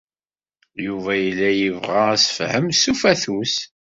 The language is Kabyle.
Yuba yella yebɣa assefhem s ufatus.